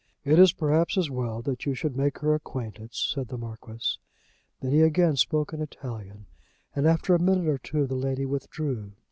"It is perhaps as well that you should make her acquaintance," said the Marquis. Then he again spoke in Italian, and after a minute or two the lady withdrew.